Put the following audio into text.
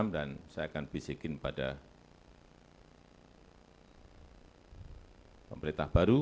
dan saya akan bisikin pada pemerintah baru